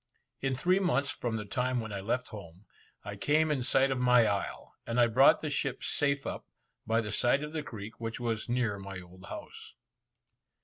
In three months from the time when I left home, I came in sight of my isle, and I brought the ship safe up, by the side of the creek, which was near my old house.